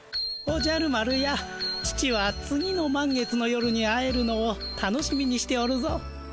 おじゃる丸や父は次のまん月の夜に会えるのを楽しみにしておるぞ。